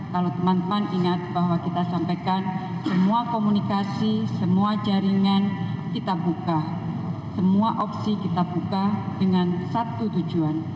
kalau teman teman ingat bahwa kita sampaikan semua komunikasi semua jaringan kita buka semua opsi kita buka dengan satu tujuan